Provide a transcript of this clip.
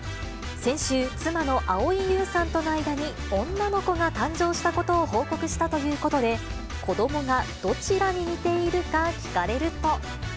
先週、妻の蒼井優さんとの間に女の子が誕生したことを報告したということで、子どもがどちらに似ているか聞かれると。